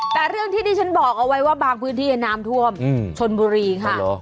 แต่เรื่องที่ที่ฉันบอกเอาไว้ว่าบางพื้นที่น้ำท่วมชนบุรีค่ะ